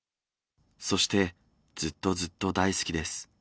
そして、ずっとずっと大好きです。